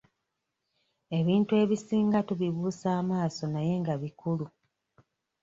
Ebintu ebisinga tubibuusa amaaso naye nga bikulu.